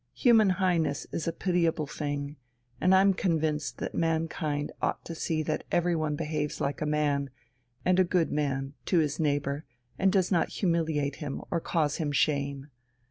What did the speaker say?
Human Highness is a pitiable thing, and I'm convinced that mankind ought to see that everyone behaves like a man, and a good man, to his neighbour and does not humiliate him or cause him shame.